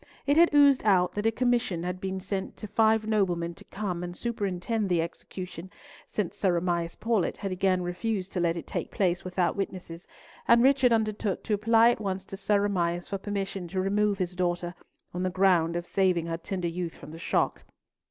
It had oozed out that a commission had been sent to five noblemen to come and superintend the execution, since Sir Amias Paulett had again refused to let it take place without witnesses, and Richard undertook to apply at once to Sir Amias for permission to remove his daughter, on the ground of saving her tender youth from the shock.